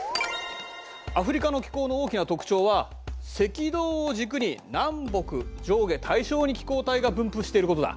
アフリカの気候の大きな特徴は赤道を軸に南北上下対称に気候帯が分布していることだ。